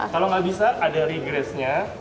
kalau nggak bisa ada regressnya